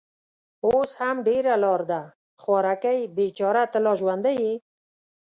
اوس هم ډېره لار ده. خوارکۍ، بېچاره، ته لا ژوندۍ يې؟